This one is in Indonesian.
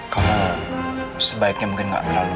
kamu sebaiknya mungkin gak terlalu